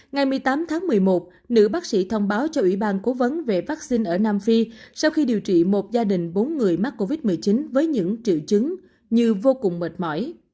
ngày một mươi tám tháng một mươi một nữ bác sĩ thông báo cho ủy ban cố vấn về vaccine ở nam phi sau khi điều trị một gia đình bốn người mắc covid một mươi chín với những triệu chứng như vô cùng mệt mỏi